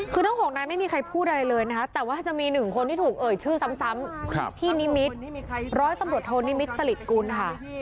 คือทั้ง๖นายไม่มีใครพูดอะไรเลยนะคะแต่ว่าจะมี๑คนที่ถูกเอ่ยชื่อซ้ำพี่นิมิตรร้อยตำรวจโทนิมิตรสลิดกุลค่ะ